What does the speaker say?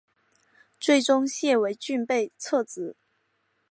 最终谢维俊被撤职。